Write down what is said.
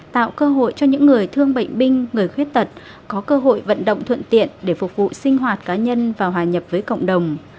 tạo cơ hội cho những người thương bệnh binh người khuyết tật có cơ hội vận động thuận tiện để phục vụ sinh hoạt cá nhân và hòa nhập với cộng đồng